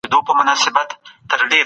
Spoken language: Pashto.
په هرات کې د زعفرانو کلنی جشن جوړېږي.